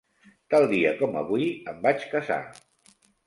Tal dia com avui em vaig casar.